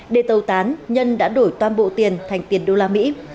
để tàu tán nhân đã đổi toàn bộ tiền thành tiền đô la mỹ